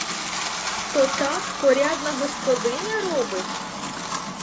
То так порядна господиня робить?